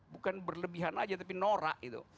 bukan berlebihan saja tapi norak